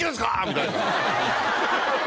みたいな。